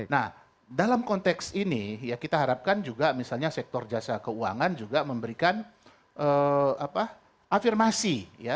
nah dalam konteks ini ya kita harapkan juga misalnya sektor jasa keuangan juga memberikan afirmasi